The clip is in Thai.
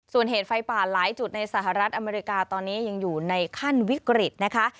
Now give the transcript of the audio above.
ส่วนเหตุไฟป่าหลายจุดในสหรัฐอเมริกาตอนนี้ยังอยู่ในขั้นวิกฤตนะคะ